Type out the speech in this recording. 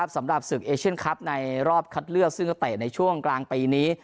สำหรับศึกเอเชียนคลับในรอบคัดเลือกซึ่งก็เตะในช่วงกลางปีนี้